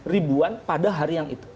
ribuan pada hari yang itu